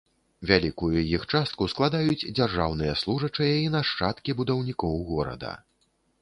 Вялікую іх частку складаюць дзяржаўныя служачыя і нашчадкі будаўнікоў горада.